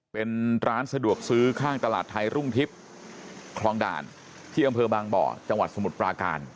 เป็นร้านสะดวกซื้อข้างตลาดไทยรุ่งทิพย์คลองด่านที่อำเภอบางบ่อจังหวัดสมุทรปราการ